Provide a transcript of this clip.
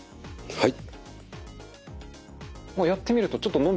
はい。